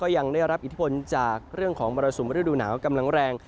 ยังได้รับอิทธิพลจากเรื่องของมรสุมฤดูหนาวกำลังแรง